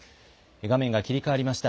画面が切り替わりました、